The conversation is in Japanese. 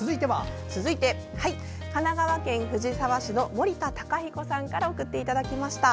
続いて神奈川県藤沢市の盛田敬彦さんから送っていただきました。